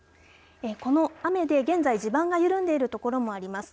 この雨で現在地盤が緩んでいるところもあります。